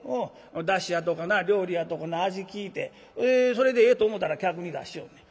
だしやとかな料理やとかの味きいてそれでええと思うたら客に出しよんねん。